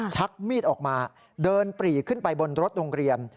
ชักมีดออกมาเดินปรีขึ้นไปบนรถโรงเรียน